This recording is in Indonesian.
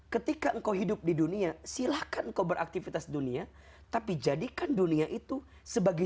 ketika engkau hidup di dunia silahkan kau beraktivitas dunia tapi jadikan dunia itu sebagai